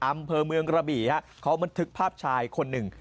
อำเภอเมืองกระบี่ฮะเขาบันทึกภาพชายคนหนึ่ง